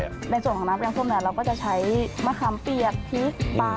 ในส่วนน้ำแกงสมเราก็จะใช้มะคำเปียกพริกปลา